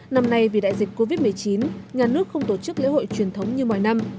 năm nay vì đại dịch covid một mươi chín nhà nước không tổ chức lễ hội truyền thống như mọi năm